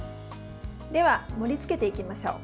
では、盛りつけていきましょう。